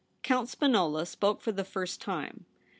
Count Spinola spoke for the first time.